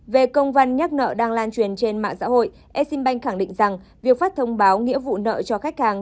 về công văn nhắc nợ đang lan truyền trên mạng xã hội exim bank khẳng định rằng việc phát thông báo nghĩa vụ nợ cho khách hàng